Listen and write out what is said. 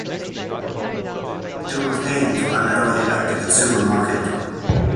It was aimed primarily at the consumer market.